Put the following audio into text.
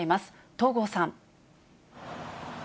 東郷さん。